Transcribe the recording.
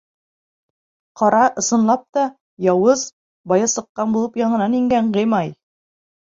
Ҡара, ысынлап та, яуыз, бая сыҡҡан булып яңынан ингән Ғимай.